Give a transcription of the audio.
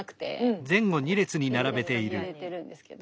入れてるんですけど。